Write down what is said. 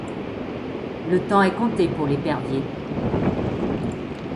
Le temps est compté pour l’Épervier.